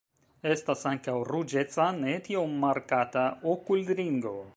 Estas ankaŭ ruĝeca ne tiom markata okulringo.